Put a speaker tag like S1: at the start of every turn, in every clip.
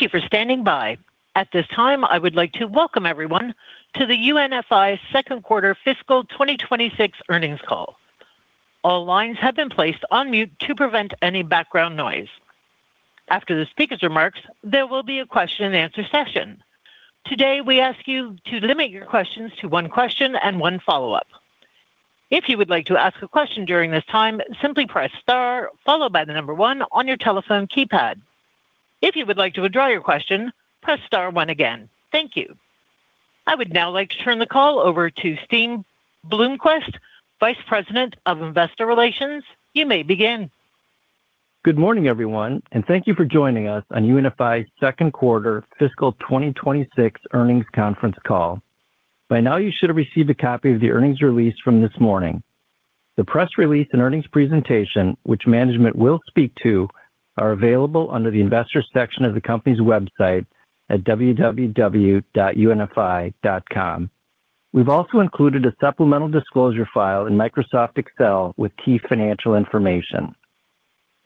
S1: Thank you for standing by. At this time, I would like to welcome everyone to the UNFI Q2 fiscal 2024 earnings call. All lines have been placed on mute to prevent any background noise. After the speaker's remarks, there will be a question and answer session. Today, we ask you to limit your questions to one question and one follow-up. If you would like to ask a question during this time, simply press star followed by the number one on your telephone keypad. If you would like to withdraw your question, press star one again. Thank you. I would now like to turn the call over to Steve Bloomquist, Vice President of Investor Relations. You may begin.
S2: Good morning, everyone, and thank you for joining us on UNFI's Q2 fiscal 2024 earnings conference call. By now you should have received a copy of the earnings release from this morning. The press release and earnings presentation, which management will speak to, are available under the Investors section of the company's website at www.unfi.com. We've also included a supplemental disclosure file in Microsoft Excel with key financial information.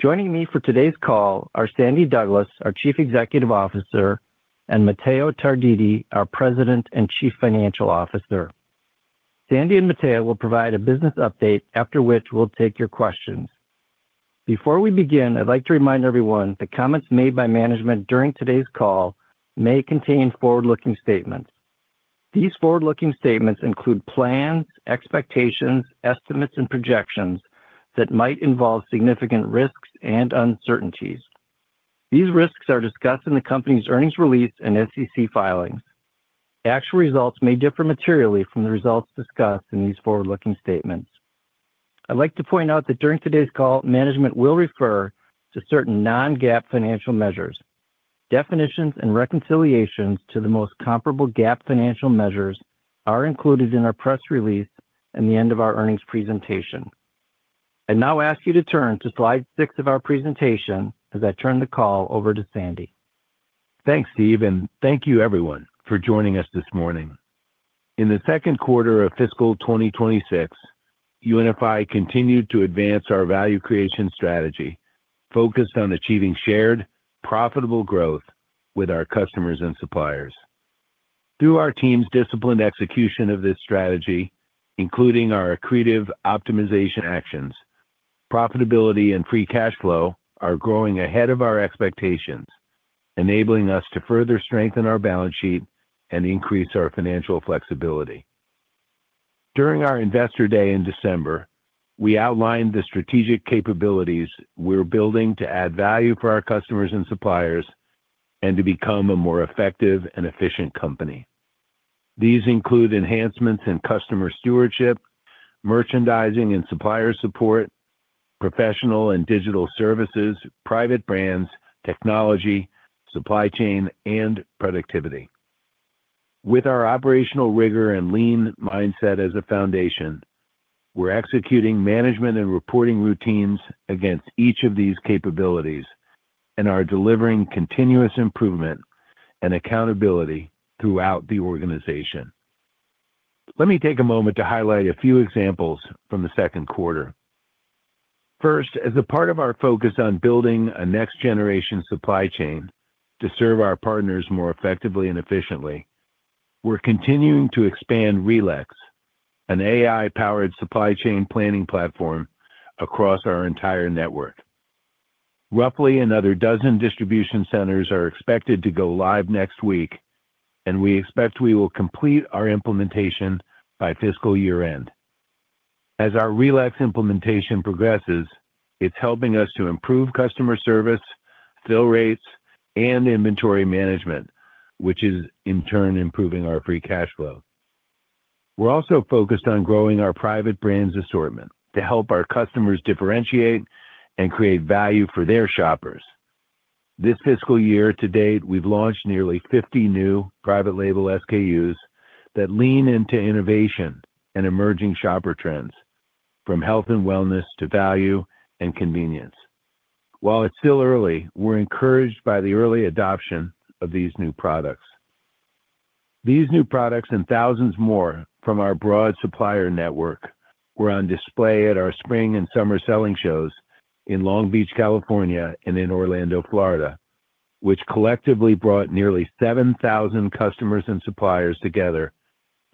S2: Joining me for today's call are Sandy Douglas, our Chief Executive Officer, and Matteo Tarditi, our President and Chief Financial Officer. Sandy and Matteo will provide a business update, after which we'll take your questions. Before we begin, I'd like to remind everyone that comments made by management during today's call may contain forward-looking statements. These forward-looking statements include plans, expectations, estimates, and projections that might involve significant risks and uncertainties. These risks are discussed in the company's earnings release and SEC filings. Actual results may differ materially from the results discussed in these forward-looking statements. I'd like to point out that during today's call, management will refer to certain Non-GAAP financial measures. Definitions and reconciliations to the most comparable GAAP financial measures are included in our press release and the end of our earnings presentation. I now ask you to turn to slide six of our presentation as I turn the call over to Sandy.
S3: Thanks, Steve, and thank you everyone for joining us this morning. In the Q2 of fiscal 2024, UNFI continued to advance our value creation strategy focused on achieving shared, profitable growth with our customers and suppliers. Through our team's disciplined execution of this strategy, including our accretive optimization actions, profitability and free cash flow are growing ahead of our expectations, enabling us to further strengthen our balance sheet and increase our financial flexibility. During our Investor Day in December, we outlined the strategic capabilities we're building to add value for our customers and suppliers and to become a more effective and efficient company. These include enhancements in customer stewardship, merchandising and supplier support, professional and digital services, private brands, technology, supply chain, and productivity. With our operational rigor and lean mindset as a foundation, we're executing management and reporting routines against each of these capabilities and are delivering continuous improvement and accountability throughout the organization. Let me take a moment to highlight a few examples from the Q2. First, as a part of our focus on building a next generation supply chain to serve our partners more effectively and efficiently, we're continuing to expand Relex, an AI-powered supply chain planning platform across our entire network. Roughly another dozen distribution centers are expected to go live next week, and we expect we will complete our implementation by fiscal year-end. As our Relex implementation progresses, it's helping us to improve customer service, fill rates, and inventory management, which is in turn improving our free cash flow. We're also focused on growing our private brands assortment to help our customers differentiate and create value for their shoppers. This fiscal year to date, we've launched nearly 50 new private label SKUs that lean into innovation and emerging shopper trends, from health and wellness to value and convenience. While it's still early, we're encouraged by the early adoption of these new products. These new products and thousands more from our broad supplier network were on display at our spring and summer selling shows in Long Beach, California and in Orlando, Florida, which collectively brought nearly 7,000 customers and suppliers together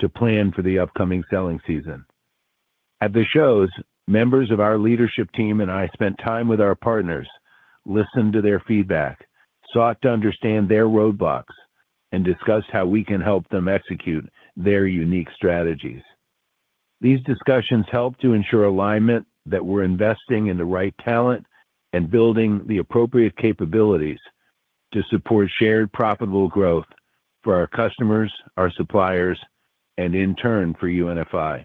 S3: to plan for the upcoming selling season. At the shows, members of our leadership team and I spent time with our partners, listened to their feedback, sought to understand their roadblocks, and discussed how we can help them execute their unique strategies. These discussions help to ensure alignment that we're investing in the right talent and building the appropriate capabilities to support shared profitable growth for our customers, our suppliers, and in turn, for UNFI.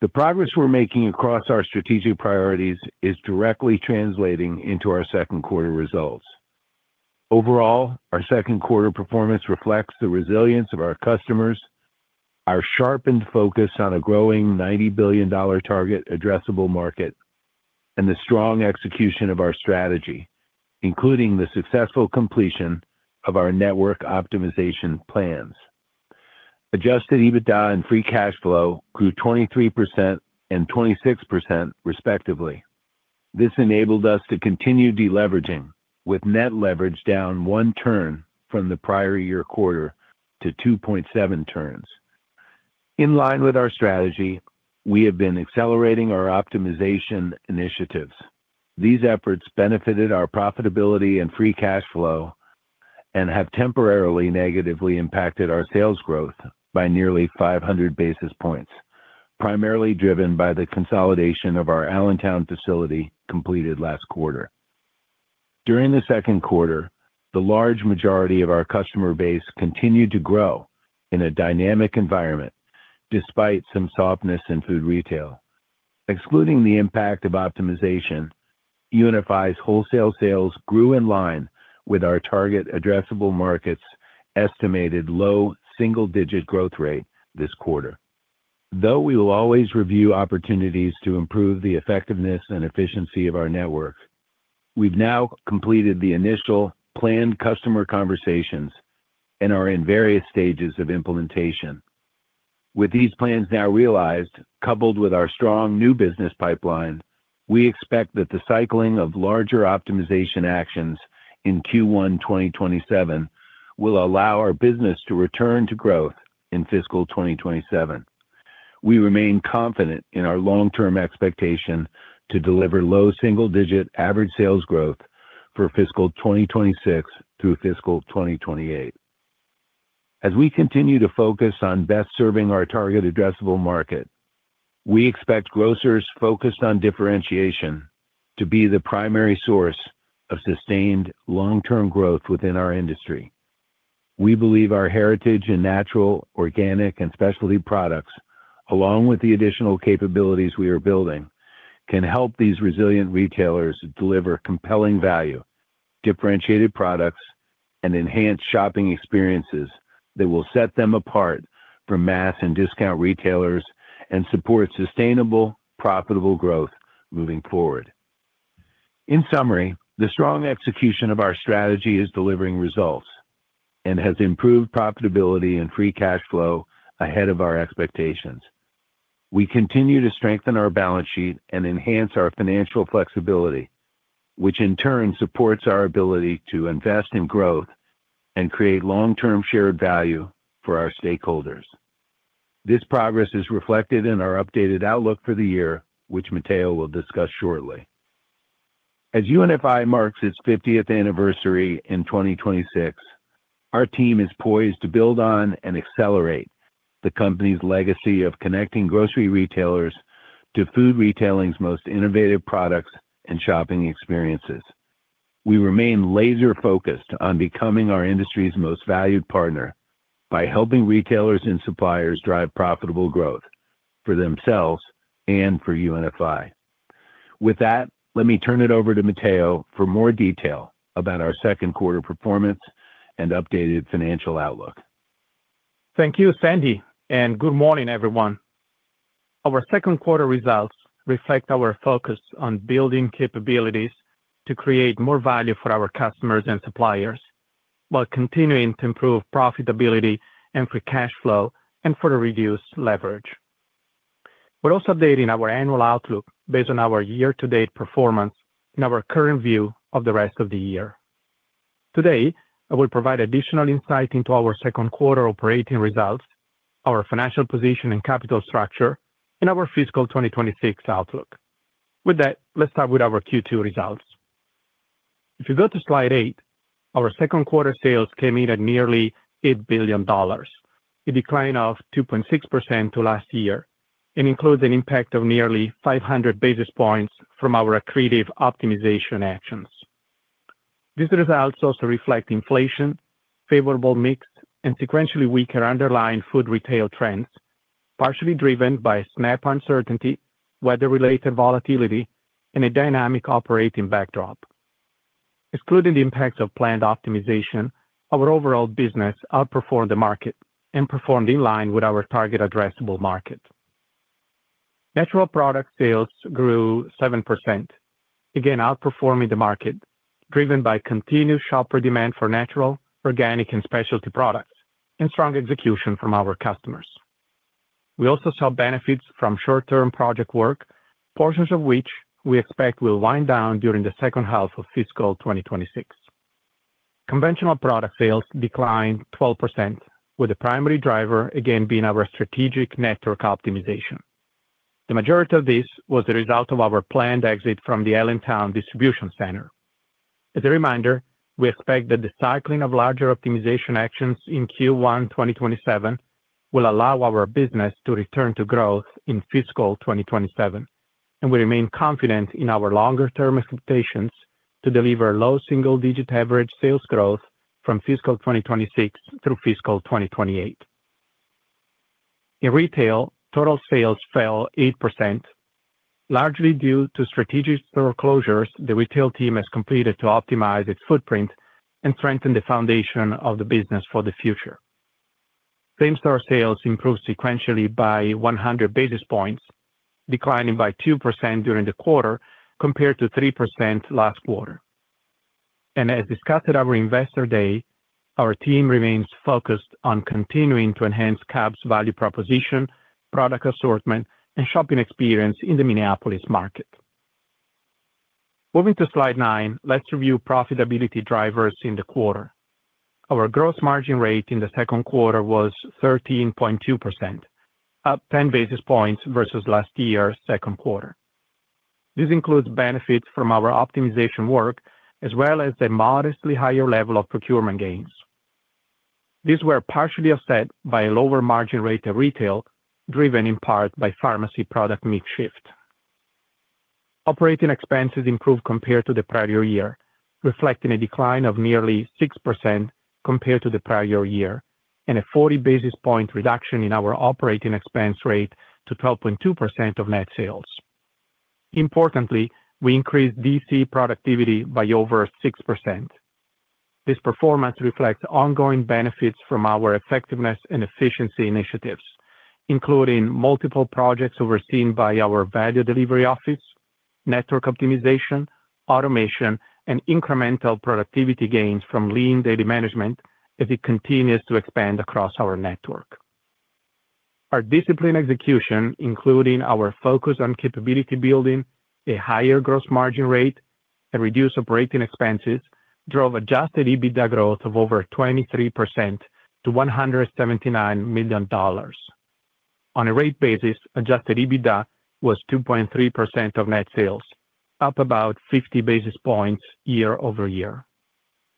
S3: The progress we're making across our strategic priorities is directly translating into our Q2 results. Overall, our Q2 performance reflects the resilience of our customers, our sharpened focus on a growing $90 billion target addressable market, and the strong execution of our strategy, including the successful completion of our network optimization plans. Adjusted EBITDA and free cash flow grew 23% and 26% respectively. This enabled us to continue deleveraging with net leverage down 1 turn from the prior year quarter to 2.7 turns. In line with our strategy, we have been accelerating our optimization initiatives. These efforts benefited our profitability and free cash flow and have temporarily negatively impacted our sales growth by nearly 500 basis points, primarily driven by the consolidation of our Allentown facility completed last quarter. During the Q2, the large majority of our customer base continued to grow in a dynamic environment despite some softness in food retail. Excluding the impact of optimization, UNFI's wholesale sales grew in line with our target addressable markets estimated low double- to single-digit growth rate this quarter. Though we will always review opportunities to improve the effectiveness and efficiency of our network, we've now completed the initial planned customer conversations and are in various stages of implementation. With these plans now realized, coupled with our strong new business pipeline, we expect that the cycling of larger optimization actions in Q1 2027 will allow our business to return to growth in fiscal 2027. We remain confident in our long-term expectation to deliver low single-digit average sales growth for fiscal 2024 through fiscal 2028. As we continue to focus on best serving our target addressable market, we expect grocers focused on differentiation to be the primary source of sustained long-term growth within our industry. We believe our heritage in natural, organic, and specialty products, along with the additional capabilities we are building, can help these resilient retailers deliver compelling value, differentiated products, and enhance shopping experiences that will set them apart from mass and discount retailers and support sustainable, profitable growth moving forward. In summary, the strong execution of our strategy is delivering results and has improved profitability and free cash flow ahead of our expectations. We continue to strengthen our balance sheet and enhance our financial flexibility, which in turn supports our ability to invest in growth and create long-term shared value for our stakeholders. This progress is reflected in our updated outlook for the year, which Matteo will discuss shortly. As UNFI marks its fiftieth anniversary in 2024, our team is poised to build on and accelerate the company's legacy of connecting grocery retailers to food retailing's most innovative products and shopping experiences. We remain laser-focused on becoming our industry's most valued partner by helping retailers and suppliers drive profitable growth for themselves and for UNFI. With that, let me turn it over to Matteo for more detail about our Q2 performance and updated financial outlook.
S4: Thank you, Sandy, and good morning, everyone. Our Q2 results reflect our focus on building capabilities to create more value for our customers and suppliers while continuing to improve profitability and free cash flow and further reduce leverage. We're also updating our annual outlook based on our year-to-date performance and our current view of the rest of the year. Today, I will provide additional insight into our Q2 operating results, our financial position and capital structure, and our fiscal 2024 outlook. With that, let's start with our Q2 results. If you go to slide eight, our Q2 sales came in at nearly $8 billion, a decline of 2.6% to last year and includes an impact of nearly 500 basis points from our accretive optimization actions. These results also reflect inflation, favorable mix, and sequentially weaker underlying food retail trends, partially driven by SNAP uncertainty, weather-related volatility, and a dynamic operating backdrop. Excluding the impacts of planned optimization, our overall business outperformed the market and performed in line with our target addressable market. Natural product sales grew 7%, again outperforming the market driven by continued shopper demand for natural, organic, and specialty products and strong execution from our customers. We also saw benefits from short-term project work, portions of which we expect will wind down during the H2 of fiscal 2024. Conventional product sales declined 12%, with the primary driver again being our strategic network optimization. The majority of this was the result of our planned exit from the Allentown distribution center. As a reminder, we expect that the cycling of larger optimization actions in Q1 2027 will allow our business to return to growth in fiscal 2027, and we remain confident in our longer-term expectations to deliver low single-digit average sales growth from fiscal 2026 through fiscal 2028. In retail, total sales fell 8%, largely due to strategic store closures the retail team has completed to optimize its footprint and strengthen the foundation of the business for the future. Same-store sales improved sequentially by 100 basis points, declining by 2% during the quarter compared to 3% last quarter. As discussed at our Investor Day, our team remains focused on continuing to enhance Cub's value proposition, product assortment, and shopping experience in the Minneapolis market. Moving to slide 9, let's review profitability drivers in the quarter. Our gross margin rate in the Q2 was 13.2%, up 10 basis points versus last year's Q2. This includes benefits from our optimization work, as well as a modestly higher level of procurement gains. These were partially offset by a lower margin rate of retail, driven in part by pharmacy product mix shift. Operating expenses improved compared to the prior year, reflecting a decline of nearly 6% compared to the prior year, and a 40 basis point reduction in our operating expense rate to 12.2% of net sales. Importantly, we increased DC productivity by over 6%. This performance reflects ongoing benefits from our effectiveness and efficiency initiatives, including multiple projects overseen by our Value Delivery Office, network optimization, automation, and incremental productivity gains from lean daily management as it continues to expand across our network. Our disciplined execution, including our focus on capability building, a higher gross margin rate, and reduced operating expenses, drove Adjusted EBITDA growth of over 23% to $179 million. On a rate basis, Adjusted EBITDA was 2.3% of net sales, up about 50 basis points year-over-year.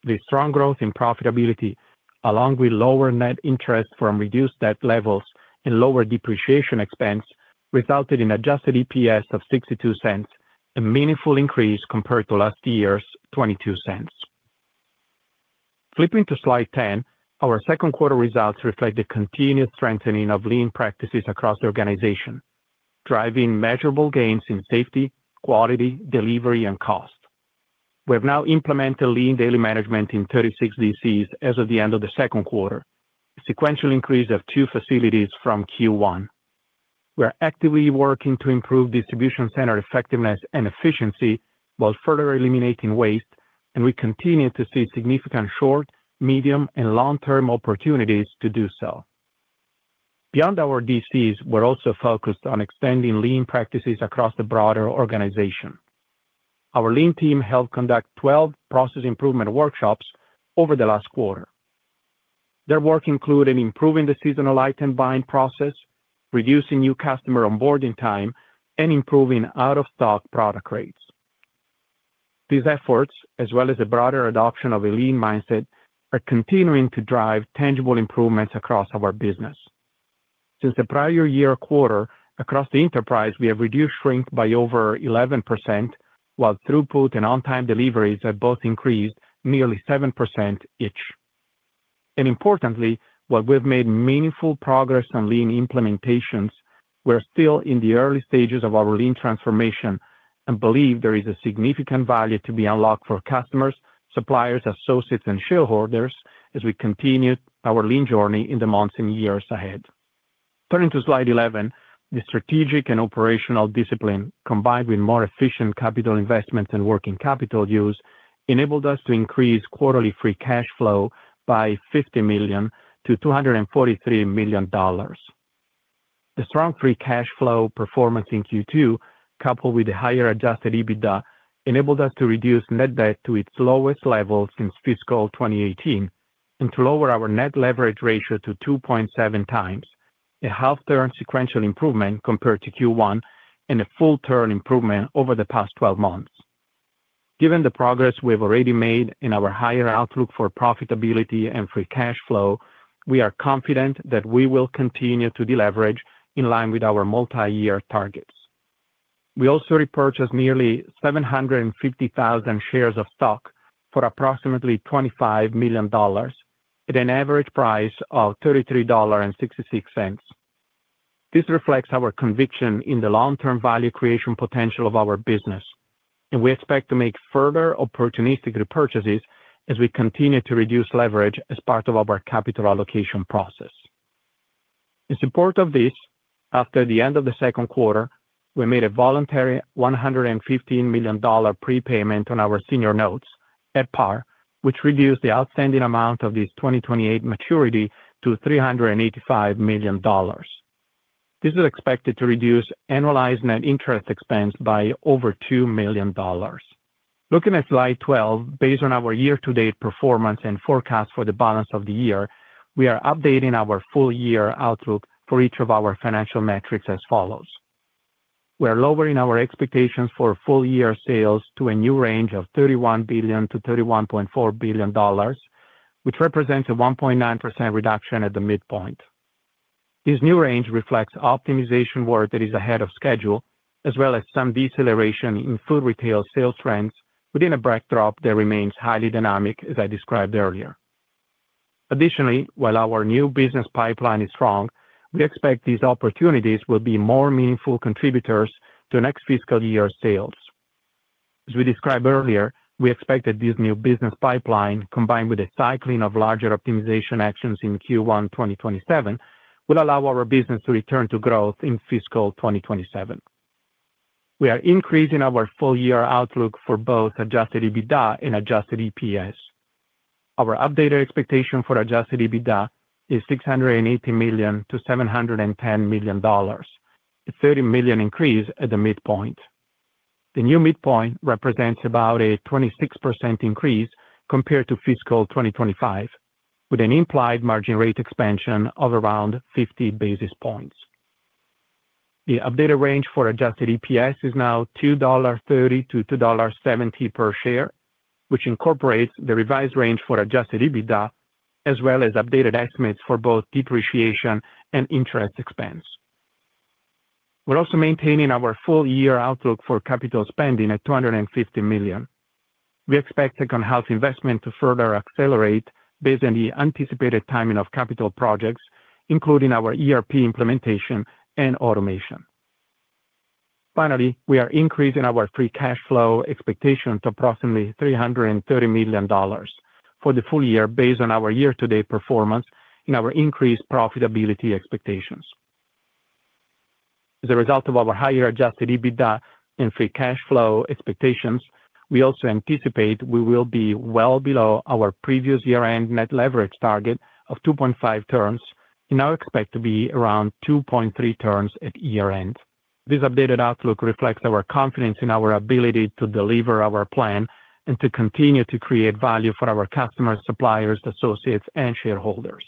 S4: The strong growth in profitability, along with lower net interest from reduced debt levels and lower depreciation expense, resulted in Adjusted EPS of $0.62, a meaningful increase compared to last year's $0.22. Flipping to Slide 10, our Q2 results reflect the continued strengthening of lean practices across the organization, driving measurable gains in safety, quality, delivery, and cost. We have now implemented lean daily management in 36 DCs as of the end of the Q2, a sequential increase of two facilities from Q1. We are actively working to improve distribution center effectiveness and efficiency while further eliminating waste, and we continue to see significant short, medium, and long-term opportunities to do so. Beyond our DCs, we're also focused on extending lean practices across the broader organization. Our lean team helped conduct 12 process improvement workshops over the last quarter. Their work included improving the seasonal item buying process, reducing new customer onboarding time, and improving out-of-stock product rates. These efforts, as well as a broader adoption of a lean mindset, are continuing to drive tangible improvements across our business. Since the prior year quarter across the enterprise, we have reduced shrink by over 11%, while throughput and on-time deliveries have both increased nearly 7% each. Importantly, while we've made meaningful progress on lean implementations, we're still in the early stages of our lean transformation and believe there is a significant value to be unlocked for customers, suppliers, associates, and shareholders as we continue our lean journey in the months and years ahead. Turning to slide 11, the strategic and operational discipline, combined with more efficient capital investments and working capital use, enabled us to increase quarterly free cash flow by $50 million to $243 million. The strong free cash flow performance in Q2, coupled with higher adjusted EBITDA, enabled us to reduce net debt to its lowest level since fiscal 2018 and to lower our net leverage ratio to 2.7x, a half turn sequential improvement compared to Q1 and a full turn improvement over the past 12 months. Given the progress we have already made in our higher outlook for profitability and free cash flow, we are confident that we will continue to deleverage in line with our multi-year targets. We also repurchased nearly 750,000 shares of stock for approximately $25 million at an average price of $33.66. This reflects our conviction in the long-term value creation potential of our business, and we expect to make further opportunistic repurchases as we continue to reduce leverage as part of our capital allocation process. In support of this, after the end of the Q2, we made a voluntary $115 million prepayment on our senior notes at par, which reduced the outstanding amount of this 2028 maturity to $385 million. This is expected to reduce annualized net interest expense by over $2 million. Looking at Slide 12, based on our year-to-date performance and forecast for the balance of the year, we are updating our full year outlook for each of our financial metrics as follows. We are lowering our expectations for full year sales to a new range of $31 billion-$31.4 billion, which represents a 1.9% reduction at the midpoint. This new range reflects optimization work that is ahead of schedule, as well as some deceleration in food retail sales trends within a backdrop that remains highly dynamic, as I described earlier. Additionally, while our new business pipeline is strong, we expect these opportunities will be more meaningful contributors to next fiscal year sales. As we described earlier, we expect that this new business pipeline, combined with the cycling of larger optimization actions in Q1 2027, will allow our business to return to growth in fiscal 2027. We are increasing our full year outlook for both Adjusted EBITDA and Adjusted EPS. Our updated expectation for Adjusted EBITDA is $680 million-$710 million, a $30 million increase at the midpoint. The new midpoint represents about a 26% increase compared to fiscal 2025, with an implied margin rate expansion of around 50 basis points. The updated range for Adjusted EPS is now $2.30-$2.70 per share, which incorporates the revised range for Adjusted EBITDA, as well as updated estimates for both depreciation and interest expense. We're also maintaining our full year outlook for capital spending at $250 million. We expect H2 investment to further accelerate based on the anticipated timing of capital projects, including our ERP implementation and automation. Finally, we are increasing our free cash flow expectation to approximately $330 million for the full year based on our year-to-date performance and our increased profitability expectations. As a result of our higher Adjusted EBITDA and free cash flow expectations, we also anticipate we will be well below our previous year-end net leverage target of 2.5 turns and now expect to be around 2.3 turns at year-end. This updated outlook reflects our confidence in our ability to deliver our plan and to continue to create value for our customers, suppliers, associates, and shareholders.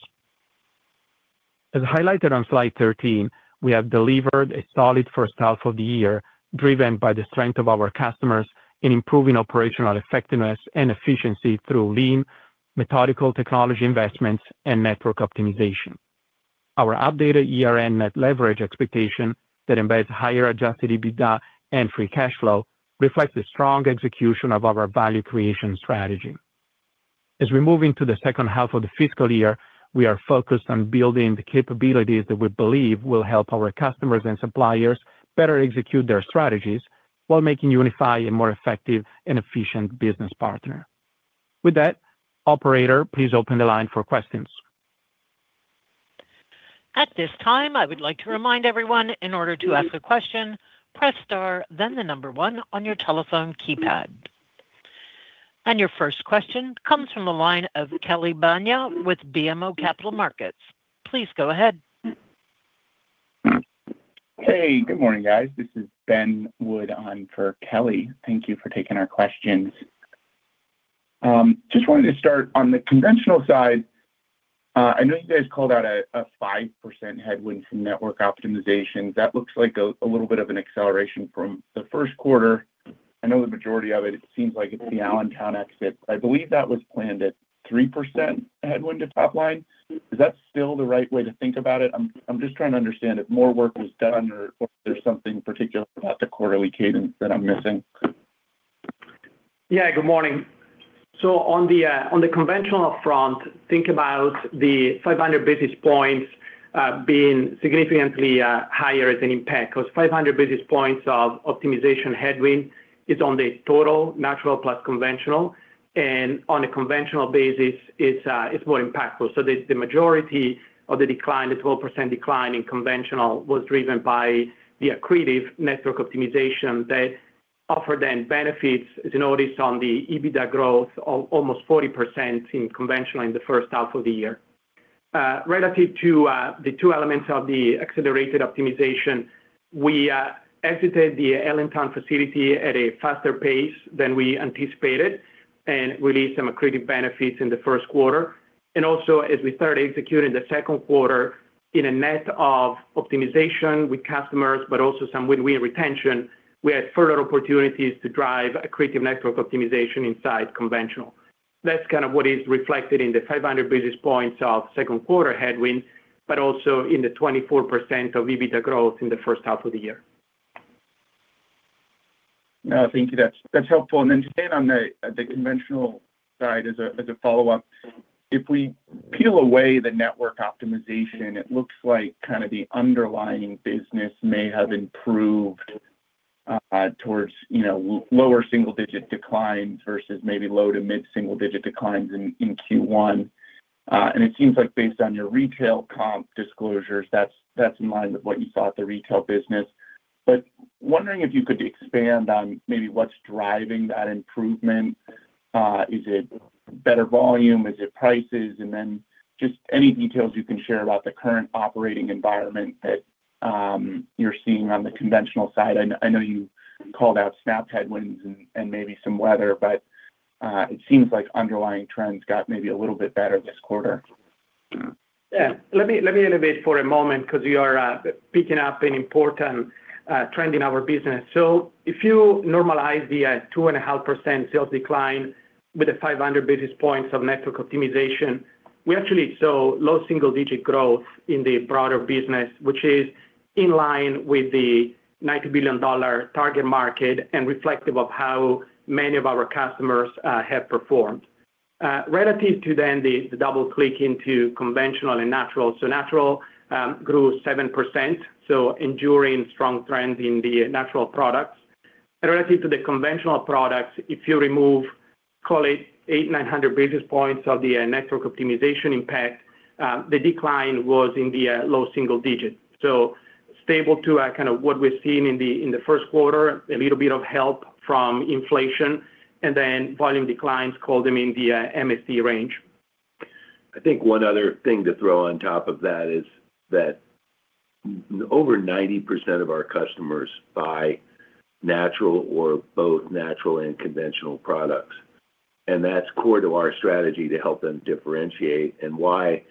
S4: As highlighted on Slide 13, we have delivered a solid H1 of the year, driven by the strength of our customers in improving operational effectiveness and efficiency through lean, methodical technology investments, and network optimization. Our updated year-end net leverage expectation that embeds higher Adjusted EBITDA and free cash flow reflects the strong execution of our value creation strategy. As we move into the H2 of the fiscal year, we are focused on building the capabilities that we believe will help our customers and suppliers better execute their strategies while making UNFI a more effective and efficient business partner. With that, operator, please open the line for questions.
S1: At this time, I would like to remind everyone, in order to ask a question, press Star, then the number one on your telephone keypad. Your first question comes from the line of Kelly Bania with BMO Capital Markets. Please go ahead.
S5: Hey, good morning, guys. This is Ben Wood on for Kelly. Thank you for taking our questions. Just wanted to start on the conventional side. I know you guys called out a 5% headwind from network optimization. That looks like a little bit of an acceleration from the Q1. I know the majority of it seems like it's the Allentown exit. I believe that was planned at 3% headwind to top line. Is that still the right way to think about it? I'm just trying to understand if more work was done or if there's something particular about the quarterly cadence that I'm missing.
S4: Yeah, good morning. On the conventional front, think about the 500 basis points being significantly higher as an impact. It's 500 basis points of optimization headwind on the total natural plus conventional. On a conventional basis, it's more impactful. The majority of the decline, the 12% decline in conventional, was driven by the accretive network optimization that offered net benefits, as you noticed on the EBITDA growth of almost 40% in conventional in the H1 of the year. Relative to the two elements of the accelerated optimization, we exited the Allentown facility at a faster pace than we anticipated and released some accretive benefits in the Q1. As we started executing the Q2 in a net of optimization with customers, but also some win-win retention, we had further opportunities to drive accretive network optimization inside conventional. That's kind of what is reflected in the 500 basis points of Q2 headwind, but also in the 24% of EBITDA growth in the H1 of the year.
S5: No, I think that's helpful. To stay on the conventional side as a follow-up. If we peel away the network optimization, it looks like kind of the underlying business may have improved towards you know lower single digit declines versus maybe low to mid single digit declines in Q1. It seems like based on your retail comp disclosures, that's in line with what you saw at the retail business. Wondering if you could expand on maybe what's driving that improvement. Is it better volume? Is it prices? Just any details you can share about the current operating environment that you're seeing on the conventional side. I know you called out SNAP headwinds and maybe some weather, but it seems like underlying trends got maybe a little bit better this quarter.
S4: Yeah. Let me innovate for a moment because you are picking up an important trend in our business. If you normalize the 2.5% sales decline with the 500 basis points of network optimization, we actually saw low single-digit growth in the broader business, which is in line with the $90 billion target market and reflective of how many of our customers have performed. Relative to the double click into conventional and natural. Natural grew 7%, showing enduring strong trends in the natural products. Relative to the conventional products, if you remove, call it 800-900 basis points of the network optimization impact, the decline was in the low single digits. Stable to kind of what we're seeing in the Q1, a little bit of help from inflation and then volume declines, call them in the MSD range.
S3: I think one other thing to throw on top of that is that over 90% of our customers buy natural or both natural and conventional products. That's core to our strategy to help them differentiate and why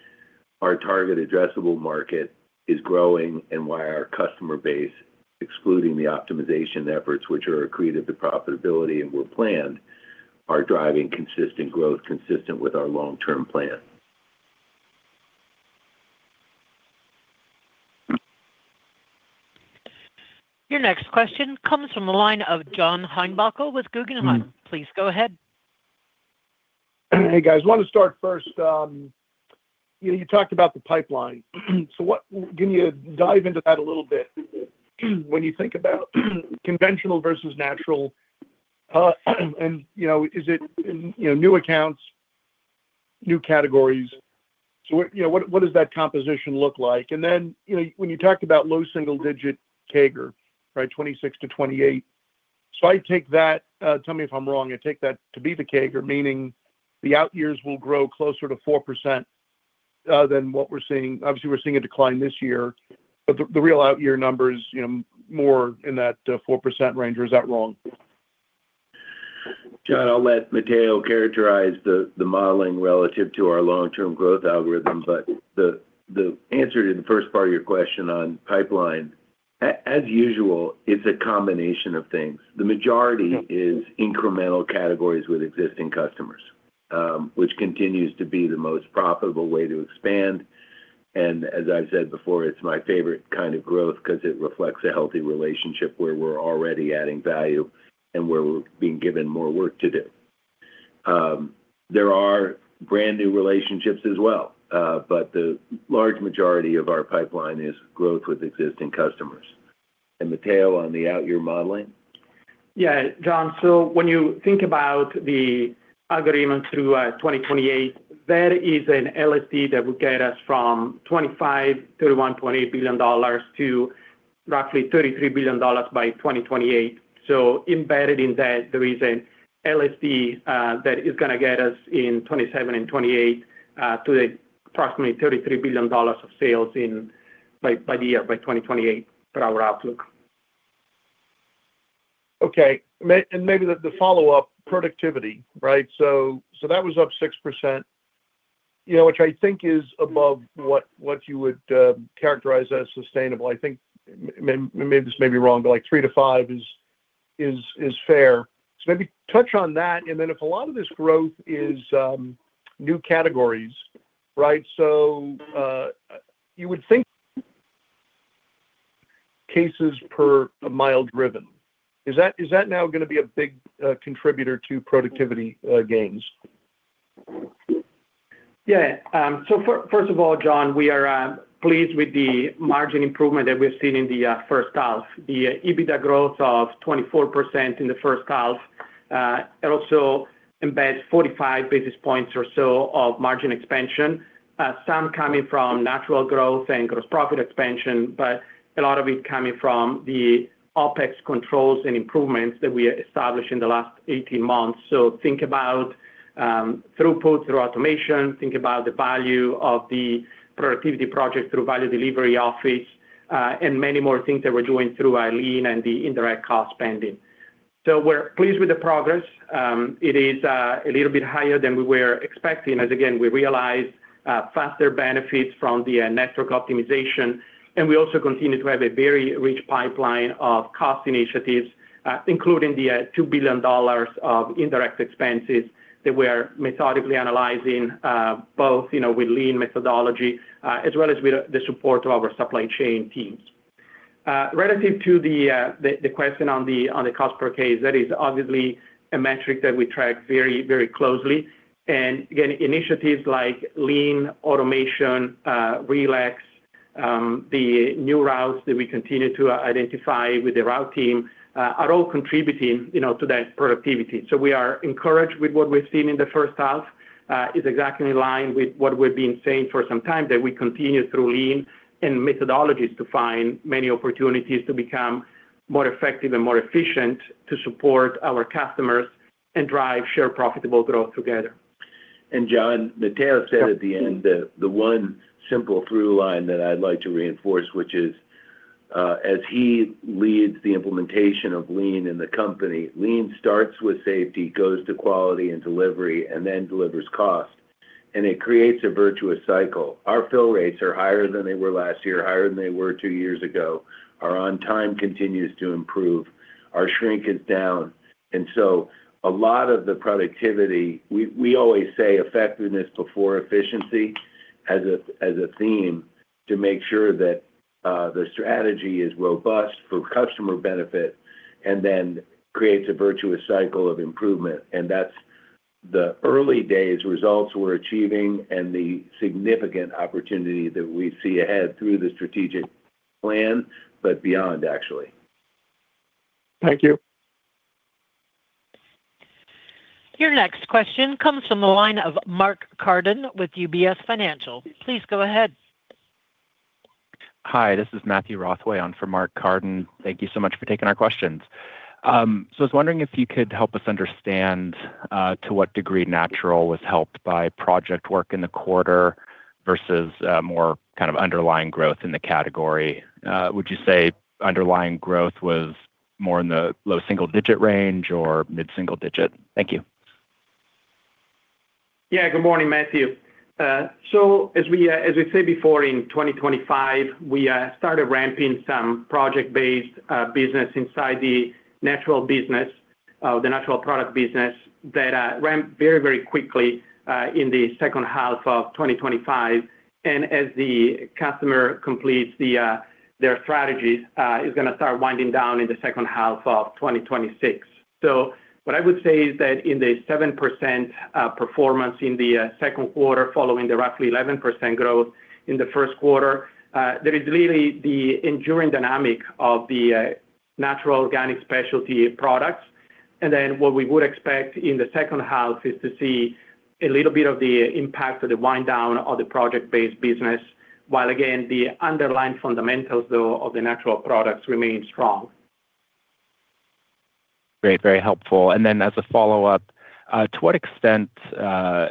S3: our target addressable market is growing and why our customer base, excluding the optimization efforts, which are accretive to profitability and were planned, are driving consistent growth consistent with our long-term plan.
S1: Your next question comes from the line of John Heinbockel with Guggenheim. Please go ahead.
S6: Hey, guys. I want to start first, you know, you talked about the pipeline. Can you dive into that a little bit when you think about conventional versus natural? You know, is it, you know, new accounts, new categories? What, you know, what does that composition look like? You know, when you talked about low single digit CAGR, right, 26-28. I take that, tell me if I'm wrong, I take that to be the CAGR, meaning the out years will grow closer to 4% than what we're seeing. Obviously, we're seeing a decline this year, but the real out year number is, you know, more in that 4% range. Or is that wrong?
S3: John, I'll let Matteo characterize the modeling relative to our long-term growth algorithm. The answer to the first part of your question on pipeline, as usual, it's a combination of things. The majority is incremental categories with existing customers, which continues to be the most profitable way to expand. It's my favorite kind of growth because it reflects a healthy relationship where we're already adding value and we're being given more work to do. There are brand-new relationships as well, but the large majority of our pipeline is growth with existing customers. Matteo on the out year modeling.
S4: Yeah, John. When you think about the agreement through 2028, that is an LSD that will get us from 2025 $1.8 billion to roughly $33 billion by 2028. Embedded in that, there is an LSD that is gonna get us in 2027 and 2028 to approximately $33 billion of sales by 2028 for our outlook.
S6: Maybe the follow-up productivity, right? That was up 6%, you know, which I think is above what you would characterize as sustainable. I think this may be wrong, but like 3%-5% is fair. Maybe touch on that. If a lot of this growth is new categories, right? You would think cases per mile driven, is that now gonna be a big contributor to productivity gains?
S4: Yeah. First of all, John, we are pleased with the margin improvement that we've seen in the H1. The EBITDA growth of 24% in the H1, it also embeds 45 basis points or so of margin expansion, some coming from natural growth and gross profit expansion, but a lot of it coming from the OpEx controls and improvements that we established in the last 18 months. Think about throughput through automation, think about the value of the productivity project through Value Delivery Office, and many more things that we're doing through our Lean and the indirect cost spending. We're pleased with the progress. It is a little bit higher than we were expecting as, again, we realize faster benefits from the network optimization. We also continue to have a very rich pipeline of cost initiatives, including the $2 billion of indirect expenses that we are methodically analyzing, both, you know, with Lean methodology, as well as with the support of our supply chain teams. Relative to the question on the cost per case, that is obviously a metric that we track very, very closely. Again, initiatives like Lean, Automation, Relex, the new routes that we continue to identify with the route team, are all contributing, you know, to that productivity. We are encouraged with what we've seen in the H1, is exactly in line with what we've been saying for some time, that we continue through Lean and methodologies to find many opportunities to become more effective and more efficient to support our customers and drive shared profitable growth together.
S3: John, Matteo said at the end, the one simple through line that I'd like to reinforce, which is, as he leads the implementation of Lean in the company, Lean starts with safety, goes to quality and delivery, and then delivers cost, and it creates a virtuous cycle. Our fill rates are higher than they were last year, higher than they were two years ago. Our on time continues to improve. Our shrink is down. A lot of the productivity, we always say effectiveness before efficiency as a theme to make sure that the strategy is robust for customer benefit and then creates a virtuous cycle of improvement. That's The early days results we're achieving and the significant opportunity that we see ahead through the strategic plan, but beyond actually.
S6: Thank you.
S1: Your next question comes from the line of Mark Carden with UBS. Please go ahead.
S7: Hi, this is Matthew Rothman on for Mark Carden. Thank you so much for taking our questions. I was wondering if you could help us understand to what degree natural was helped by project work in the quarter versus more kind of underlying growth in the category. Would you say underlying growth was more in the low-single-digit range or mid-single-digit? Thank you.
S4: Yeah. Good morning, Matthew. As we said before, in 2025, we started ramping some project-based business inside the natural business, the natural product business that ramped very, very quickly in the H2 of 2025. As the customer completes their strategies, is gonna start winding down in the H2 of 2026. What I would say is that in the 7% performance in the Q2 following the roughly 11% growth in the Q1, there is really the enduring dynamic of the natural organic specialty products. What we would expect in the H2 is to see a little bit of the impact of the wind down of the project-based business, while again, the underlying fundamentals, though, of the natural products remain strong.
S7: Great. Very helpful. Then as a follow-up, to what extent are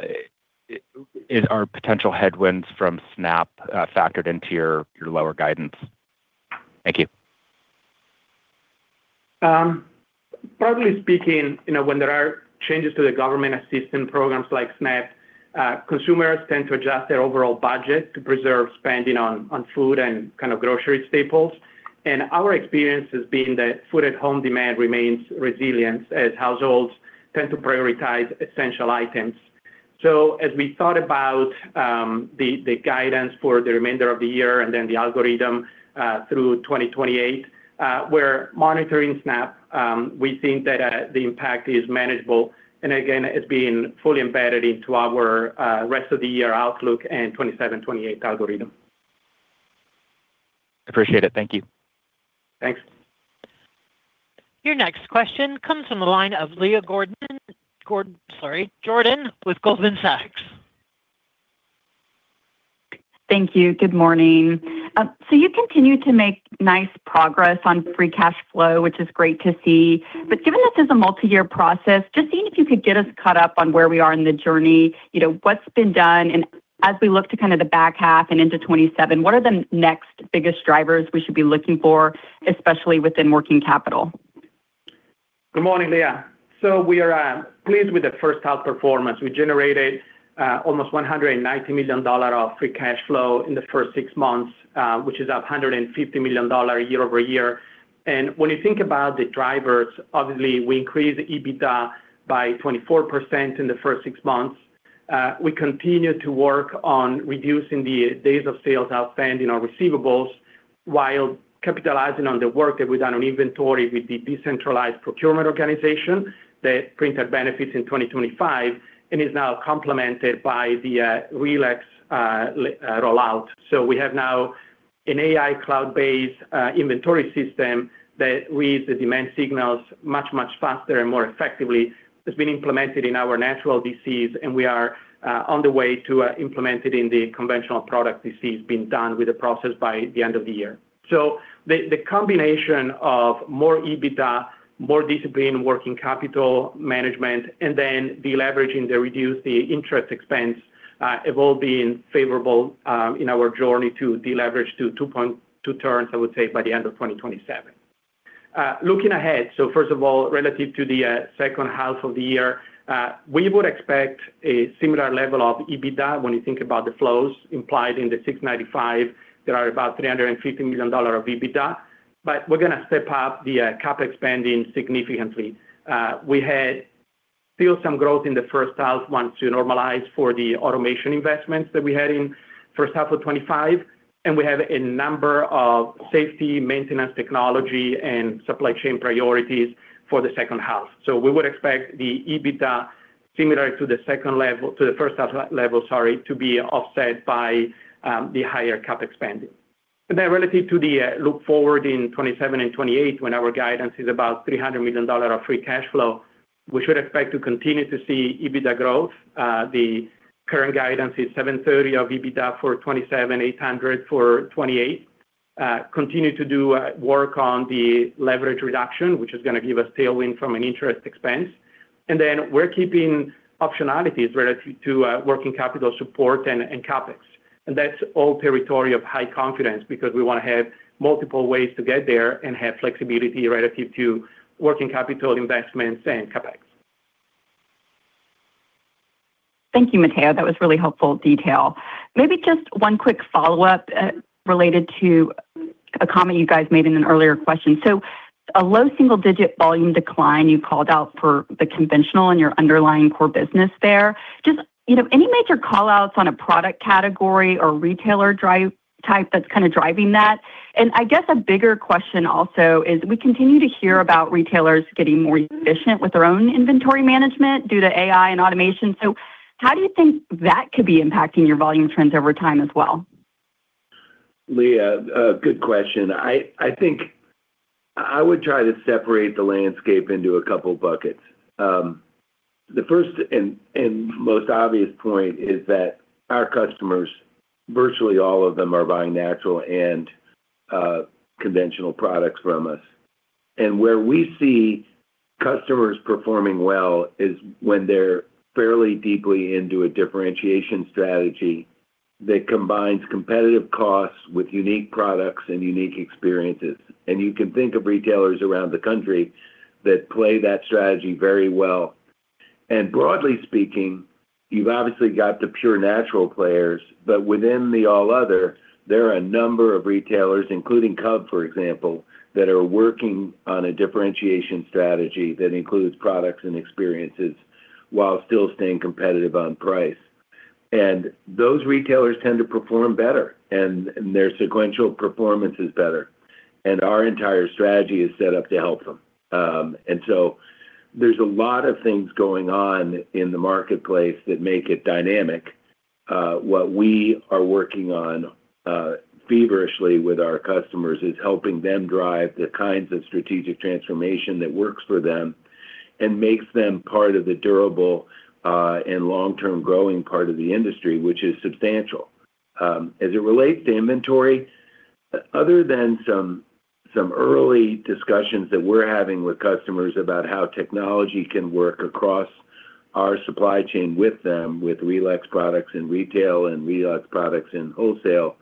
S7: potential headwinds from SNAP factored into your lower guidance? Thank you.
S4: Broadly speaking, you know, when there are changes to the government assistance programs like SNAP, consumers tend to adjust their overall budget to preserve spending on food and kind of grocery staples. Our experience has been that food at home demand remains resilient as households tend to prioritize essential items. As we thought about the guidance for the remainder of the year and then the algorithm through 2028, we're monitoring SNAP. We think that the impact is manageable and again, it's being fully embedded into our rest of the year outlook and 2027, 2028 algorithm.
S7: Appreciate it. Thank you.
S4: Thanks.
S1: Your next question comes from the line of Leah Jordanov with Goldman Sachs.
S8: Thank you. Good morning. You continue to make nice progress on free cash flow, which is great to see. Given this is a multi-year process, just seeing if you could get us caught up on where we are in the journey, you know, what's been done, and as we look to kind of the back half and into 2027, what are the next biggest drivers we should be looking for, especially within working capital?
S4: Good morning, Leah. We are pleased with the first half performance. We generated almost $190 million of free cash flow in the first six months, which is up $150 million year-over-year. When you think about the drivers, obviously we increased EBITDA by 24% in the first six months. We continue to work on reducing the days sales outstanding on our receivables while capitalizing on the work that we've done on inventory with the decentralized procurement organization that provided benefits in 2025 and is now complemented by the Relex rollout. We have now an AI cloud-based inventory system that reads the demand signals much, much faster and more effectively. It's been implemented in our natural DCs, and we are on the way to implement it in the conventional product DCs being done with the process by the end of the year. The combination of more EBITDA, more disciplined working capital management, and then deleveraging the reduced interest expense have all been favorable in our journey to deleverage to 2.2 turns, I would say by the end of 2027. Looking ahead, first of all, relative to the H2 of the year, we would expect a similar level of EBITDA when you think about the flows implied in the $695. There are about $350 million of EBITDA, but we're gonna step up the CapEx spending significantly. We had still some growth in the H1 once you normalize for the automation investments that we had in H1 of 2025, and we have a number of safety, maintenance, technology, and supply chain priorities for the H2. We would expect the EBITDA similar to the H1 level to be offset by the higher CapEx. Relative to the look forward in 2027 and 2028 when our guidance is about $300 million of free cash flow, we should expect to continue to see EBITDA growth. The current guidance is $730 million of EBITDA for 2027, $800 million for 2028. Continue to do work on the leverage reduction, which is gonna give us tailwind from an interest expense. We're keeping optionalities relative to working capital support and CapEx. That's all territory of high confidence because we wanna have multiple ways to get there and have flexibility relative to working capital investments and CapEx.
S8: Thank you, Matteo. That was really helpful detail. Maybe just one quick follow-up related to a comment you guys made in an earlier question. A low single-digit volume decline you called out for the conventional and your underlying core business there. Just, you know, any major callouts on a product category or retailer driver type that's kind of driving that? I guess a bigger question also is we continue to hear about retailers getting more efficient with their own inventory management due to AI and automation. How do you think that could be impacting your volume trends over time as well?
S3: Leah, a good question. I think I would try to separate the landscape into a couple buckets. The first and most obvious point is that our customers, virtually all of them are buying natural and conventional products from us. Where we see customers performing well is when they're fairly deeply into a differentiation strategy that combines competitive costs with unique products and unique experiences. You can think of retailers around the country that play that strategy very well. Broadly speaking, you've obviously got the pure natural players, but within the all other, there are a number of retailers, including Cub, for example, that are working on a differentiation strategy that includes products and experiences while still staying competitive on price. Those retailers tend to perform better and their sequential performance is better, and our entire strategy is set up to help them. There's a lot of things going on in the marketplace that make it dynamic. What we are working on feverishly with our customers is helping them drive the kinds of strategic transformation that works for them and makes them part of the durable and long-term growing part of the industry, which is substantial. As it relates to inventory, other than some early discussions that we're having with customers about how technology can work across our supply chain with them, with Relex products in retail and Relex products in wholesale,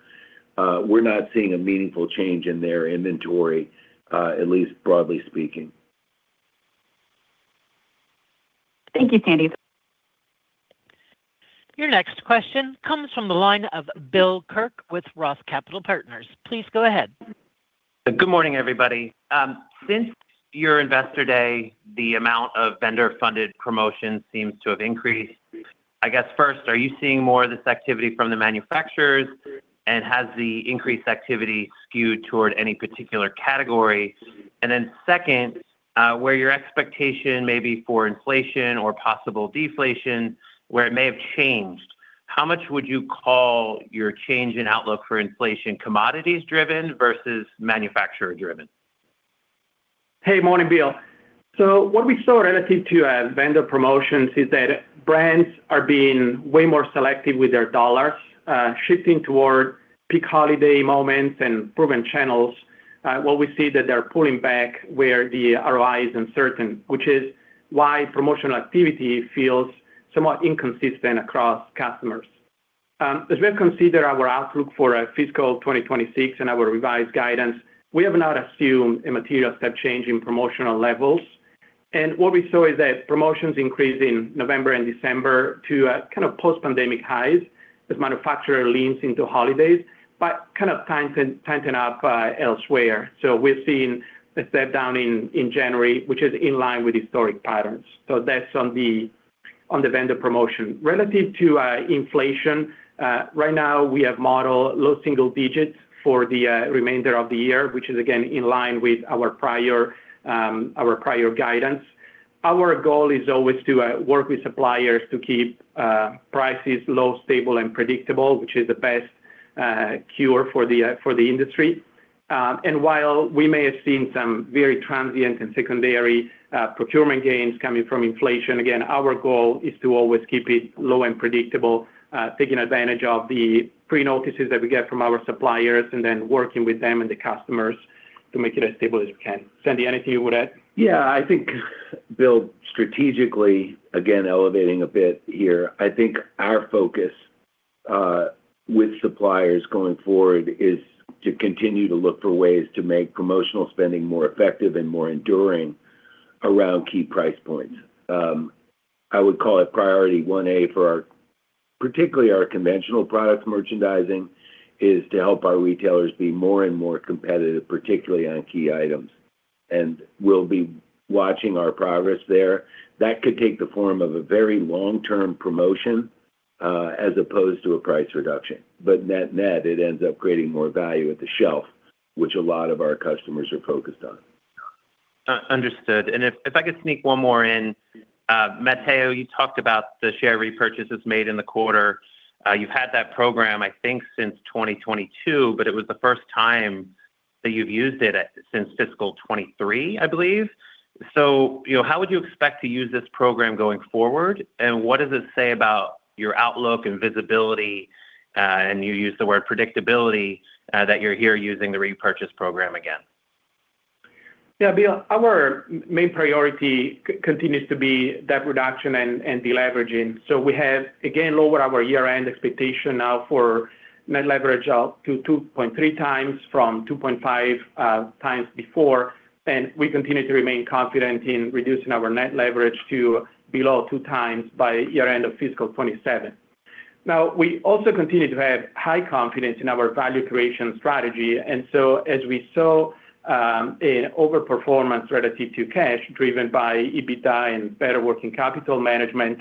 S3: we're not seeing a meaningful change in their inventory, at least broadly speaking.
S8: Thank you, Sandy.
S1: Your next question comes from the line of Bill Kirk with Roth Capital Partners. Please go ahead.
S9: Good morning, everybody. Since your Investor Day, the amount of vendor-funded promotions seems to have increased. I guess, first, are you seeing more of this activity from the manufacturers? Has the increased activity skewed toward any particular category? Second, where your expectation may be for inflation or possible deflation, where it may have changed, how much would you call your change in outlook for inflation commodities-driven versus manufacturer-driven?
S4: Hey. Morning, Bill. What we saw relative to vendor promotions is that brands are being way more selective with their dollars, shifting toward peak holiday moments and proven channels. What we see that they're pulling back where the ROI is uncertain, which is why promotional activity feels somewhat inconsistent across customers. As we consider our outlook for our fiscal 2026 and our revised guidance, we have not assumed a material step change in promotional levels. What we saw is that promotions increased in November and December to kind of post-pandemic highs as manufacturer leans into holidays, but kind of tightening up elsewhere. We've seen a step down in January, which is in line with historic patterns. That's on the vendor promotion. Relative to inflation, right now we have modeled low single digits for the remainder of the year, which is again in line with our prior guidance. Our goal is always to work with suppliers to keep prices low, stable, and predictable, which is the best cure for the industry. While we may have seen some very transient and secondary procurement gains coming from inflation, again, our goal is to always keep it low and predictable, taking advantage of the pre-notices that we get from our suppliers and then working with them and the customers to make it as stable as we can. Sandy, anything you would add?
S3: Yeah. I think, Bill, strategically, again, elevating a bit here. I think our focus with suppliers going forward is to continue to look for ways to make promotional spending more effective and more enduring around key price points. I would call it priority 1A for our particularly our conventional products merchandising is to help our retailers be more and more competitive, particularly on key items. We'll be watching our progress there. That could take the form of a very long-term promotion as opposed to a price reduction. Net net, it ends up creating more value at the shelf, which a lot of our customers are focused on.
S9: Understood. If I could sneak one more in. Matteo, you talked about the share repurchases made in the quarter. You've had that program, I think, since 2022, but it was the first time that you've used it since fiscal 2023, I believe. You know, how would you expect to use this program going forward? And what does it say about your outlook and visibility, and you used the word predictability, that you're here using the repurchase program again?
S4: Yeah, Bill, our main priority continues to be debt reduction and deleveraging. We have again lowered our year-end expectation now for net leverage out to 2.3x from 2.5x before. We continue to remain confident in reducing our net leverage to below 2x by year-end of fiscal 2027. Now, we also continue to have high confidence in our value creation strategy. As we saw an overperformance relative to cash driven by EBITDA and better working capital management,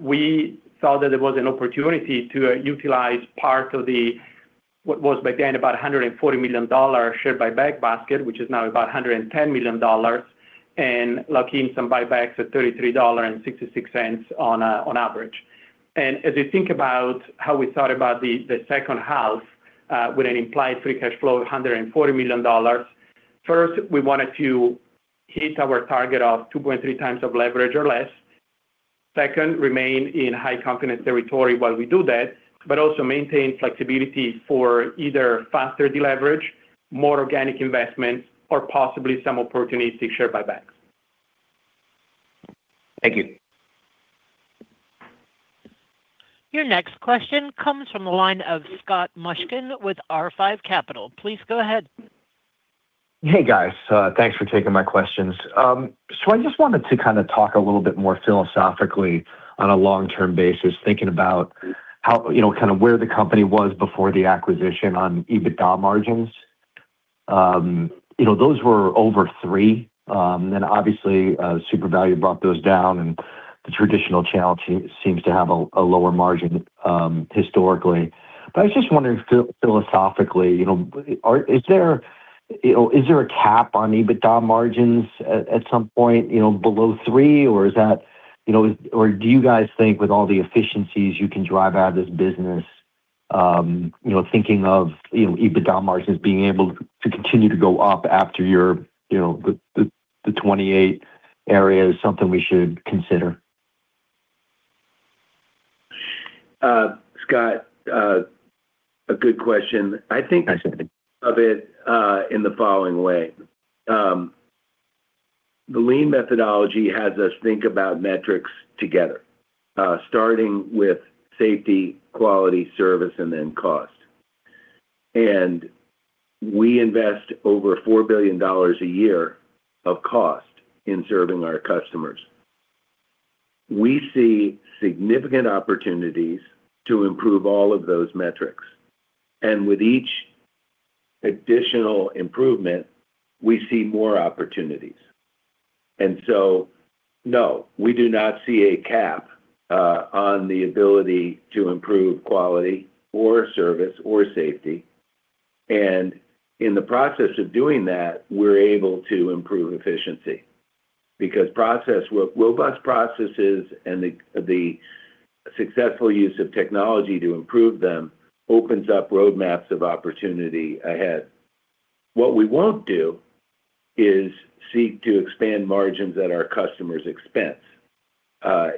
S4: we saw that there was an opportunity to utilize part of the, what was back then, about $140 million share buyback basket, which is now about $110 million, and lock in some buybacks at $33.66 on average. As you think about how we thought about the H2 with an implied free cash flow of $140 million. First, we wanted to hit our target of 2.3x of leverage or less. Second, remain in high confidence territory while we do that, but also maintain flexibility for either faster deleverage, more organic investment, or possibly some opportunistic share buybacks.
S9: Thank you.
S1: Your next question comes from the line of Scott Mushkin with R5 Capital. Please go ahead.
S10: Hey, guys. Thanks for taking my questions. So I just wanted to kind of talk a little bit more philosophically on a long-term basis, thinking about how, you know, kind of where the company was before the acquisition on EBITDA margins. You know, those were over 3%, and obviously, Supervalu brought those down, and the traditional channel seems to have a lower margin, historically. But I was just wondering philosophically, you know, is there, you know, is there a cap on EBITDA margins at some point, you know, below 3%, or is that, you know, or do you guys think with all the efficiencies you can drive out of this business, you know, thinking of, you know, EBITDA margins being able to continue to go up after your, you know, the 2.8 area is something we should consider?
S3: Scott, a good question.
S10: Thanks.
S3: I think of it in the following way. The lean methodology has us think about metrics together, starting with safety, quality, service, and then cost. We invest over $4 billion a year of cost in serving our customers. We see significant opportunities to improve all of those metrics. With each additional improvement, we see more opportunities. No, we do not see a cap on the ability to improve quality or service or safety. In the process of doing that, we're able to improve efficiency. With robust processes and the successful use of technology to improve them opens up roadmaps of opportunity ahead. What we won't do is seek to expand margins at our customers' expense.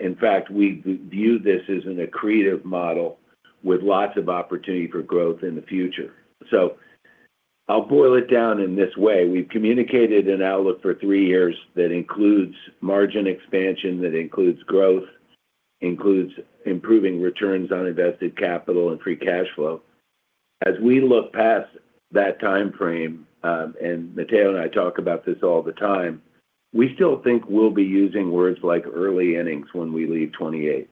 S3: In fact, we view this as an accretive model with lots of opportunity for growth in the future. I'll boil it down in this way. We've communicated an outlook for three years that includes margin expansion, that includes growth, includes improving returns on invested capital and free cash flow. As we look past that timeframe, Matteo and I talk about this all the time, we still think we'll be using words like early innings when we leave 2028.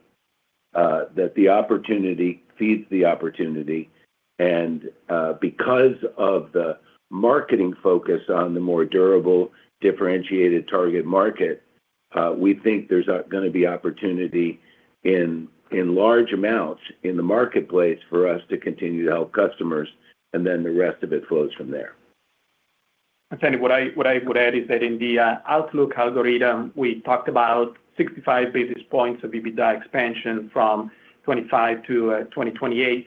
S3: That the opportunity feeds the opportunity. Because of the marketing focus on the more durable, differentiated target market, we think there's gonna be opportunity in large amounts in the marketplace for us to continue to help customers, and then the rest of it flows from there.
S4: Tony, what I would add is that in the outlook algorithm, we talked about 65 basis points of EBITDA expansion from 2025 to 2028.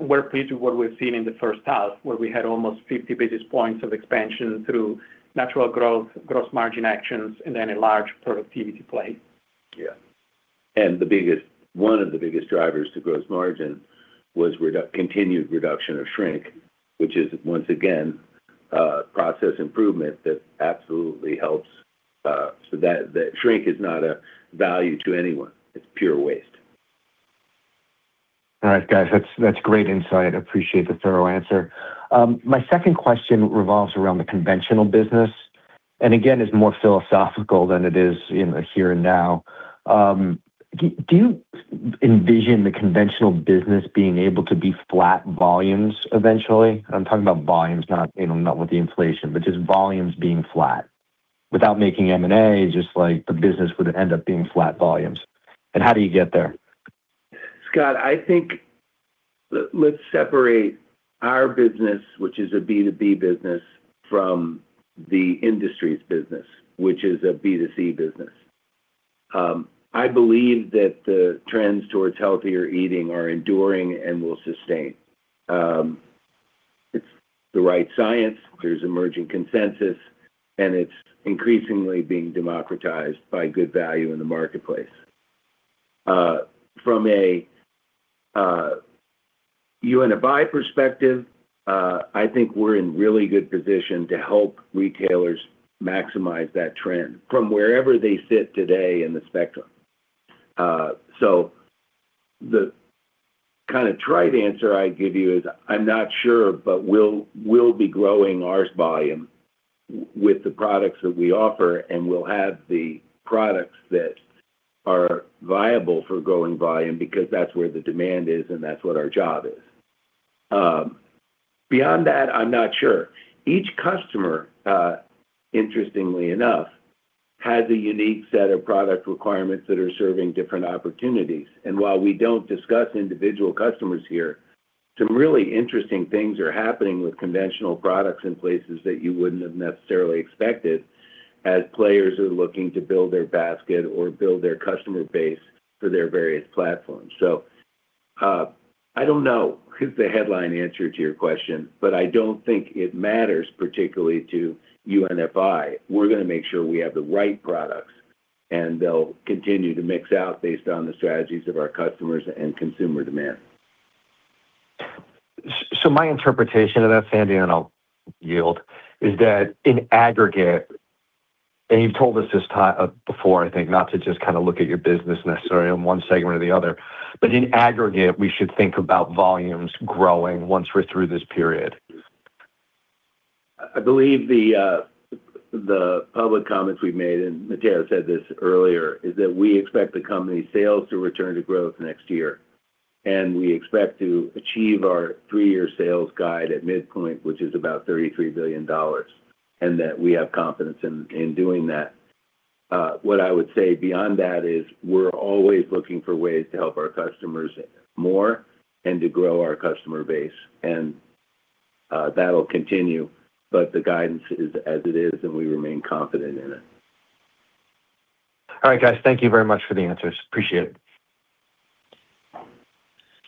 S4: We're pleased with what we've seen in the H1, where we had almost 50 basis points of expansion through natural growth, gross margin actions, and then a large productivity play.
S3: Yeah. One of the biggest drivers to gross margin was continued reduction of shrink, which is, once again, process improvement that absolutely helps, so that shrink is not a value to anyone. It's pure waste.
S10: All right, guys. That's great insight. Appreciate the thorough answer. My second question revolves around the conventional business, and again, is more philosophical than it is in the here and now. Do you envision the conventional business being able to be flat volumes eventually? I'm talking about volumes, not, you know, not with the inflation, but just volumes being flat. Without making M&A, just, like, the business would end up being flat volumes. How do you get there?
S3: Scott, I think let's separate our business, which is a B2B business, from the industry's business, which is a B2C business. I believe that the trends towards healthier eating are enduring and will sustain. It's the right science. There's emerging consensus, and it's increasingly being democratized by good value in the marketplace. From a UNFI perspective, I think we're in really good position to help retailers maximize that trend from wherever they sit today in the spectrum. So the kind of trite answer I give you is I'm not sure, but we'll be growing our volume with the products that we offer, and we'll have the products that are viable for growing volume because that's where the demand is, and that's what our job is. Beyond that, I'm not sure. Each customer, interestingly enough, has a unique set of product requirements that are serving different opportunities. While we don't discuss individual customers here. Some really interesting things are happening with conventional products in places that you wouldn't have necessarily expected as players are looking to build their basket or build their customer base for their various platforms. I don't know is the headline answer to your question, but I don't think it matters particularly to UNFI. We're gonna make sure we have the right products, and they'll continue to mix out based on the strategies of our customers and consumer demand.
S10: My interpretation of that, Sandy, and I'll yield, is that in aggregate, and you've told us this before, I think, not to just kinda look at your business necessarily on one segment or the other, but in aggregate, we should think about volumes growing once we're through this period.
S3: I believe the public comments we've made, and Matteo said this earlier, is that we expect the company sales to return to growth next year, and we expect to achieve our three-year sales guide at midpoint, which is about $33 billion, and that we have confidence in doing that. What I would say beyond that is we're always looking for ways to help our customers more and to grow our customer base, and that'll continue, but the guidance is as it is, and we remain confident in it.
S10: All right, guys. Thank you very much for the answers. Appreciate it.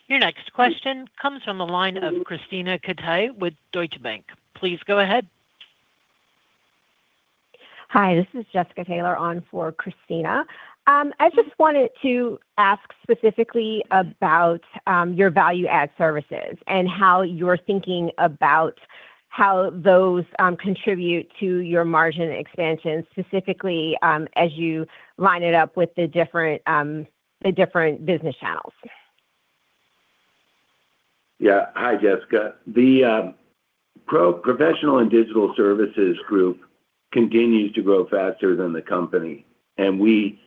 S1: Your next question comes from the line of Krisztina Katai with Deutsche Bank. Please go ahead.
S11: Hi, this is Jessica Taylor on for Christina. I just wanted to ask specifically about your value-add services and how you're thinking about how those contribute to your margin expansion, specifically, as you line it up with the different business channels.
S3: Yeah. Hi, Jessica. The professional and digital services group continues to grow faster than the company, and we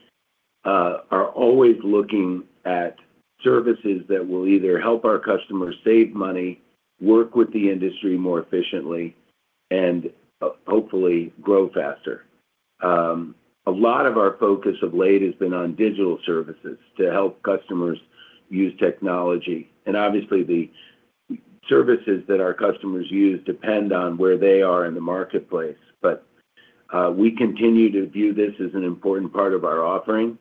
S3: are always looking at services that will either help our customers save money, work with the industry more efficiently, and hopefully grow faster. A lot of our focus of late has been on digital services to help customers use technology. Obviously the services that our customers use depend on where they are in the marketplace. We continue to view this as an important part of our offering.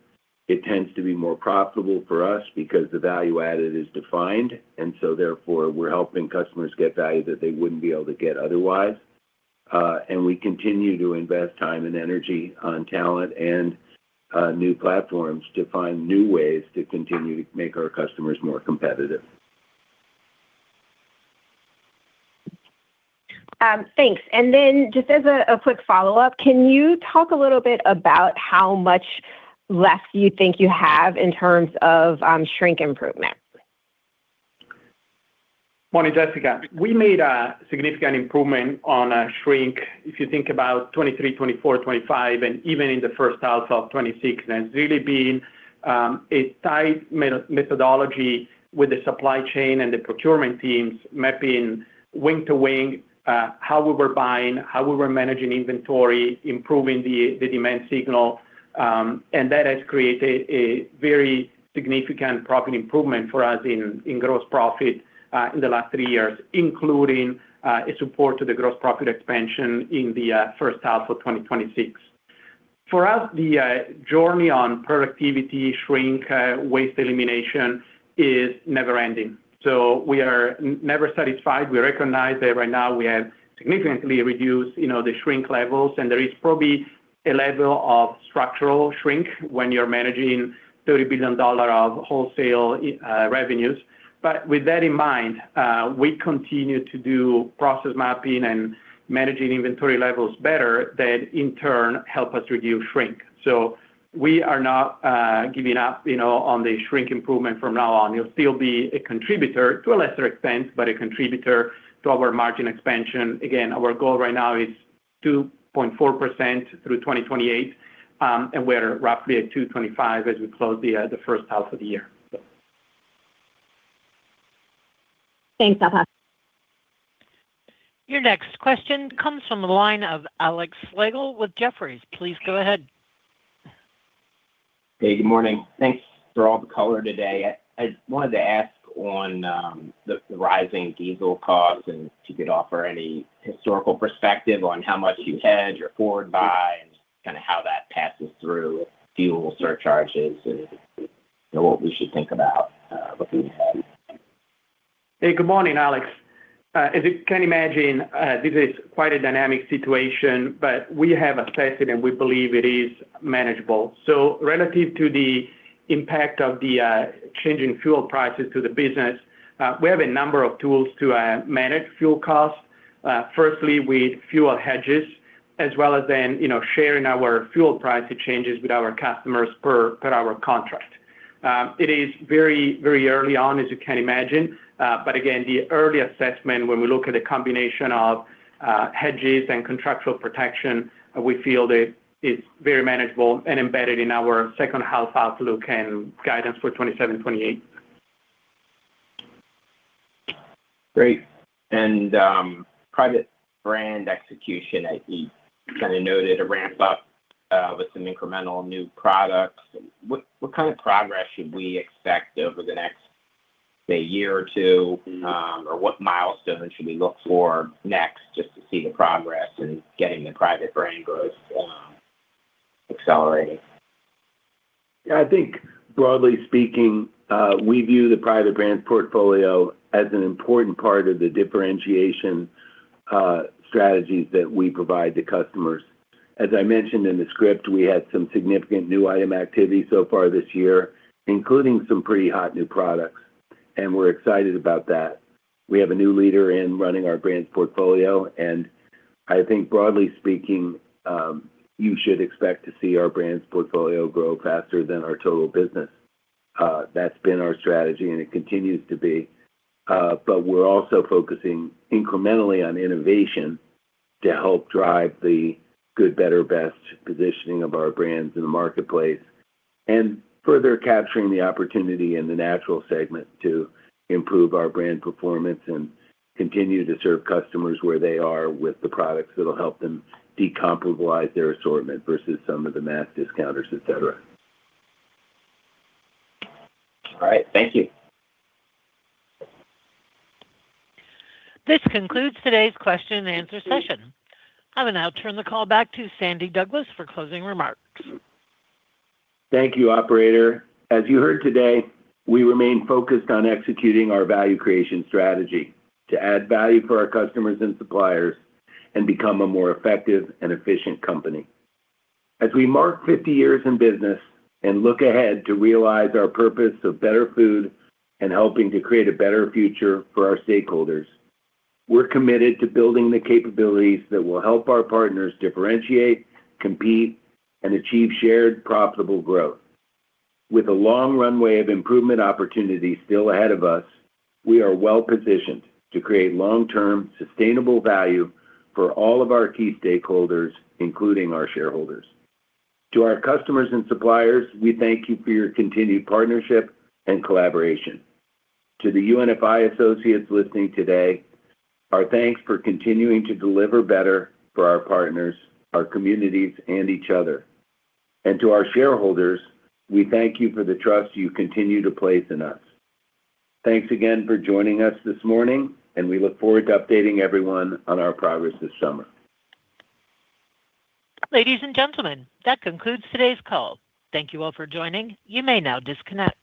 S3: It tends to be more profitable for us because the value added is defined, and so therefore we're helping customers get value that they wouldn't be able to get otherwise. We continue to invest time and energy on talent and new platforms to find new ways to continue to make our customers more competitive.
S11: Thanks. Just as a quick follow-up, can you talk a little bit about how much left you think you have in terms of shrink improvement?
S4: Morning, Jessica. We made a significant improvement on shrink if you think about 2023, 2024, 2025, and even in the H1 of 2026. It's really been a tight methodology with the supply chain and the procurement teams mapping wing to wing how we were buying, how we were managing inventory, improving the demand signal, and that has created a very significant profit improvement for us in gross profit in the last three years, including a support to the gross profit expansion in the H1 of 2026. For us, the journey on productivity, shrink, waste elimination is never ending. We are never satisfied. We recognize that right now we have significantly reduced, you know, the shrink levels, and there is probably a level of structural shrink when you're managing $30 billion of wholesale revenues. With that in mind, we continue to do process mapping and managing inventory levels better that in turn help us reduce shrink. We are not, you know, giving up on the shrink improvement from now on. It'll still be a contributor, to a lesser extent, but a contributor to our margin expansion. Again, our goal right now is 2.4% through 2028, and we're roughly at 2.25% as we close the H1 of the year.
S11: Thanks, Matteo.
S1: Your next question comes from the line of Alexander Slagle with Jefferies. Please go ahead.
S12: Hey, good morning. Thanks for all the color today. I wanted to ask on the rising diesel costs and if you could offer any historical perspective on how much you hedge or forward buy and kinda how that passes through fuel surcharges and, you know, what we should think about looking ahead.
S4: Hey, good morning, Alex. As you can imagine, this is quite a dynamic situation, but we have assessed it, and we believe it is manageable. Relative to the impact of the change in fuel prices to the business, we have a number of tools to manage fuel costs. Firstly, with fuel hedges as well as sharing our fuel price changes with our customers per our contract. It is very early on, as you can imagine. Again, the early assessment when we look at a combination of hedges and contractual protection, we feel that it's very manageable and embedded in our H2 outlook and guidance for 27, 28.
S12: Great. Private brand execution, I see you kinda noted a ramp up with some incremental new products, what kind of progress should we expect over the next, say, year or two?
S3: Mm.
S12: What milestones should we look for next just to see the progress in getting the private brand growth accelerating?
S3: Yeah, I think broadly speaking, we view the private brands portfolio as an important part of the differentiation strategies that we provide to customers. As I mentioned in the script, we had some significant new item activity so far this year, including some pretty hot new products, and we're excited about that. We have a new leader in running our brands portfolio, and I think broadly speaking, you should expect to see our brands portfolio grow faster than our total business. That's been our strategy, and it continues to be. We're also focusing incrementally on innovation to help drive the good, better, best positioning of our brands in the marketplace and further capturing the opportunity in the natural segment to improve our brand performance and continue to serve customers where they are with the products that'll help them decomplexify their assortment versus some of the mass discounters, et cetera.
S12: All right. Thank you.
S1: This concludes today's question and answer session. I will now turn the call back to Sandy Douglas for closing remarks.
S3: Thank you, operator. As you heard today, we remain focused on executing our value creation strategy to add value for our customers and suppliers and become a more effective and efficient company. As we mark 50 years in business and look ahead to realize our purpose of better food and helping to create a better future for our stakeholders, we're committed to building the capabilities that will help our partners differentiate, compete, and achieve shared profitable growth. With a long runway of improvement opportunities still ahead of us, we are well-positioned to create long-term sustainable value for all of our key stakeholders, including our shareholders. To our customers and suppliers, we thank you for your continued partnership and collaboration. To the UNFI associates listening today, our thanks for continuing to deliver better for our partners, our communities, and each other. To our shareholders, we thank you for the trust you continue to place in us. Thanks again for joining us this morning, and we look forward to updating everyone on our progress this summer.
S1: Ladies and gentlemen, that concludes today's call. Thank you all for joining. You may now disconnect.